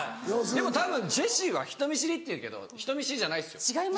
でもたぶんジェシーは人見知りって言うけど人見知りじゃないですよ。